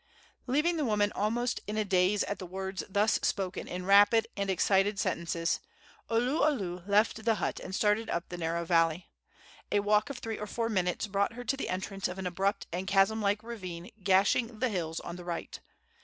Leaving the woman almost in a daze at the words thus spoken in rapid and excited sentences, Oluolu left the hut and started up the narrow valley. A walk of three or four minutes brought her to the entrance of an abrupt and chasm like ravine gashing the hills on the right.